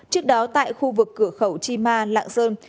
trước đó tại khu vực cửa khẩu chi ma lạng sơn